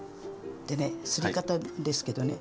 でねすり方ですけどね